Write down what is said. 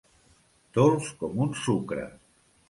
Dolç com un sucre.